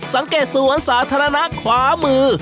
สังเกตสวนสาธารณะขวามือ